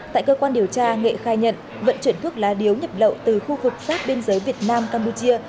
tại cơ quan điều tra nghệ khai nhận vận chuyển thuốc lá điếu nhập lậu từ khu vực sát biên giới việt nam campuchia